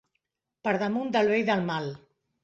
Per damunt del bé i del mal.